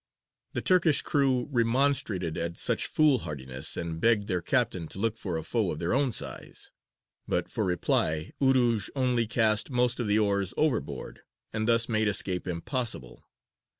The Turkish crew remonstrated at such foolhardiness, and begged their captain to look for a foe of their own size: but for reply Urūj only cast most of the oars overboard, and thus made escape impossible.